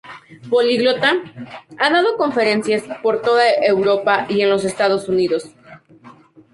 Políglota, ha dado conferencias por toda Europa y en los Estados Unidos.